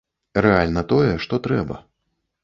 Рэальна тое, што трэба.